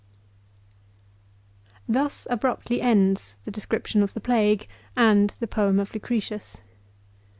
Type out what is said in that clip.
Thus abruptly end4 the description of the plague, and the poem of Lucretius.